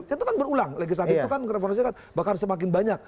itu kan berulang legislatif itu kan reformasi bahkan semakin banyak